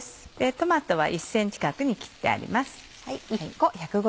トマトは１ｃｍ角に切ってあります。